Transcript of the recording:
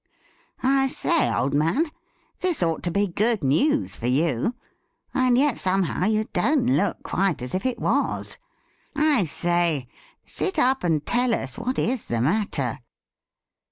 I say, old man, this ought to be ;good news for you, and yet somehow you don't look quite •as if it was. I say, sit up and tell us what is the matter.'